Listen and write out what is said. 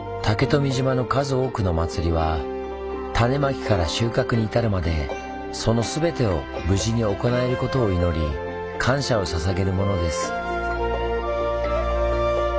竹富島の数多くの祭りは種まきから収穫に至るまでその全てを無事に行えることを祈り感謝をささげるものです。